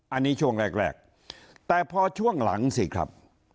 อันนี้ช่วงแรกแรกแต่พอช่วงหลังสิครับ